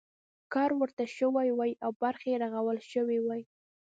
کار ورته شوی وای او برخې رغول شوي وای.